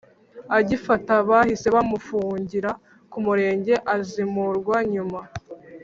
Agifatwa bahise bamufungira ku murenge azimurwa nyuma